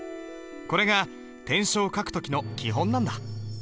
これが篆書を書く時の基本なんだ。